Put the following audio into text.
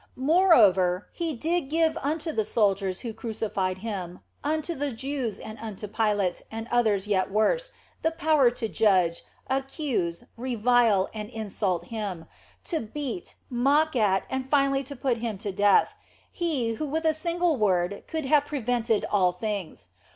Moreover, He did give unto the soldiers who crucified Him, unto the Jews and unto Pilate and others yet worse, the power to judge, accuse, revile, and insult Him, to beat, mock at, and finally to put Him to death, He who with a single word could have prevented all things.